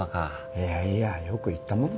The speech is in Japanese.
いやいやよく言ったもんですよ